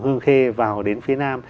hương khê vào đến phía nam